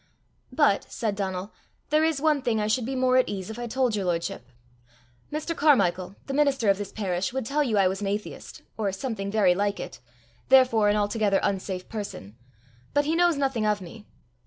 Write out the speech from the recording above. "But," said Donal, "there is one thing I should be more at ease if I told your lordship: Mr. Carmichael, the minister of this parish, would tell you I was an atheist, or something very like it therefore an altogether unsafe person. But he knows nothing of me."